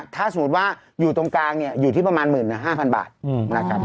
ถ้าสมมุติว่าอยู่ตรงกลางเนี่ยอยู่ที่ประมาณ๑๕๐๐บาทนะครับ